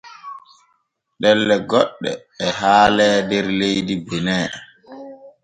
Ɗelle goɗɗe e haalee der leydi Bene.